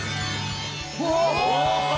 うわ！